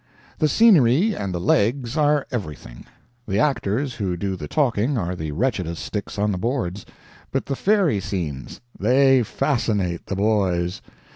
The scenery and the legs are everything; the actors who do the talking are the wretchedest sticks on the boards. But the fairy scenes—they fascinate the boys!